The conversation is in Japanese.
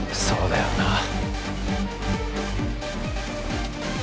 そうだよな